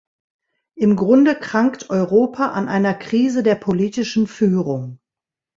Im Grunde krankt Europa an einer Krise der politischen Führung.